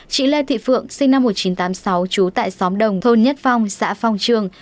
chị lê thị phượng sinh năm một nghìn chín trăm tám mươi sáu trú tại xóm đồng thôn nhất phong xã phong trường